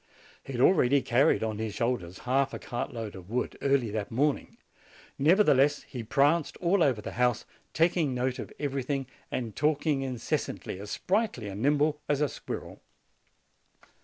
He had already carried on his shoulders half a cartload of wood, early that morning; nevertheless, he pranced all over the house, taking note of everything and talking incessantly, as sprightly and nimble as a squirrel.